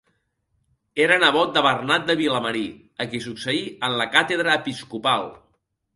Era nebot de Bernat de Vilamarí a qui succeí en la càtedra episcopal.